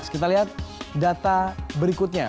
kita lihat data berikutnya